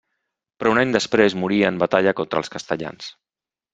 Però un any després morí en batalla contra els castellans.